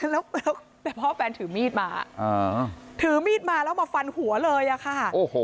แล้วแต่พ่อแฟนถือมีดมาถือมีดมาแล้วมาฟันหัวเลยอะค่ะ